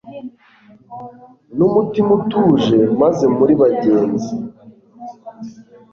n'umutima utuje, maze muri bagenzi